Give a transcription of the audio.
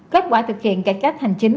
kết quả thực hiện cải cách hành chính